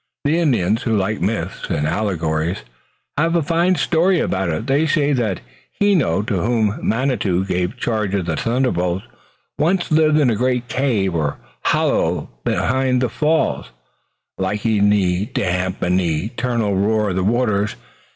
The Indians, who like myths and allegories, have a fine story about it. They say that Heno, to whom Manitou gave charge of the thunderbolt, once lived in the great cave or hollow behind the falls, liking the damp and the eternal roar of the waters.